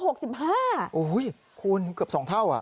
โอ้โหคุณเกือบ๒เท่า